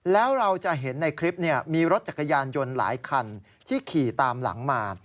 แล้วเราจะเห็นในคลิปมีรถจักรยานยนต์หลายคันที่ขี่ตามหลังมา